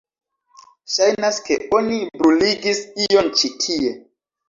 Ŝajnas ke oni bruligis ion ĉi tie.